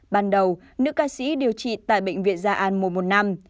ban đầu nữ ca sĩ điều trị tại bệnh viện gia an mùa một năm